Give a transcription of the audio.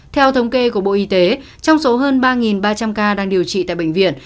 theo thống kê của bộ y tế trong số hơn ba ba trăm linh ca đang điều trị tại bệnh viện